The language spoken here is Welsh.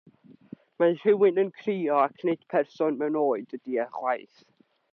Mae rhywun yn crio, ac nid person mewn oed ydi e chwaith.